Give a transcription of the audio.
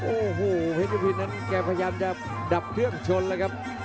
โอ้โหเพชรพินนั้นแกพยายามจะดับเครื่องชนแล้วครับ